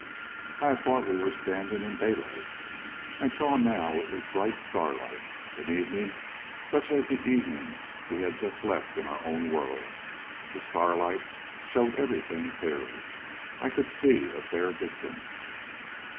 I had thought we were standing in daylight. I saw now it was bright starlight. An evening, such as the evening we had just left in our own world. The starlight showed everything clearly. I could see a fair distance.